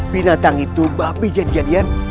binatang itu babi jadian jadian